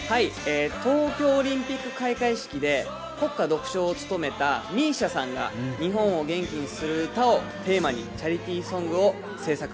東京オリンピック開会式で国歌独唱を務めたＭＩＳＩＡさんが日本を元気にする歌をテーマにチャリティーソングを制作。